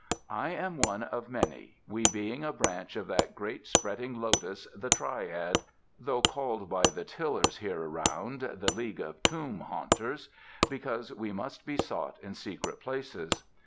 "I am one of many, we being a branch of that great spreading lotus the Triad, though called by the tillers here around the League of Tomb Haunters, because we must be sought in secret places.